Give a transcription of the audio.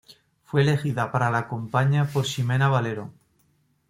Fue elegida para la compaña por Ximena Valero.